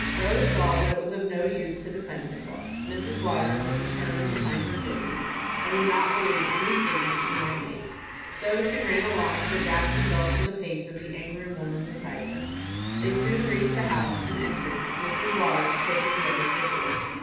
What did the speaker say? Rose saw that it was of no use to defend herself. Mrs. Waters was determined to find her guilty, and would not believe any statement she might make. So she ran along to adapt herself to the pace of the angry woman beside her. They soon reached the house, and entered, Mrs. Waters pushing Rose before.